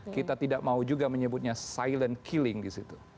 kita tidak mau juga menyebutnya silent killing disitu